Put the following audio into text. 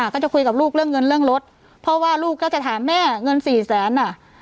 ก็จะคุยกับลูกเรื่องเงินเรื่องรถเพราะว่าลูกก็จะถามแม่เงินสี่แสนอ่ะ